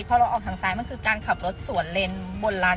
พอเราออกทางซ้ายมันคือการขับรถสวนเลนบนร้าน